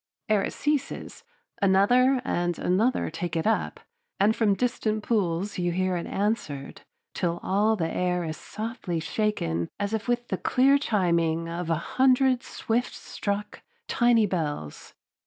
Ere it ceases, another and another take it up, and from distant pools you hear it answered, till all the air is softly shaken as if with the clear chiming of a hundred swift struck, tiny bells.